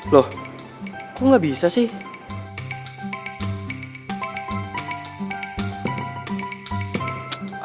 loh kok nggak bisa sih